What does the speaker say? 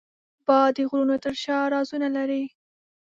باد د غرونو تر شا رازونه لري